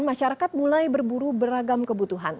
masyarakat mulai berburu beragam kebutuhan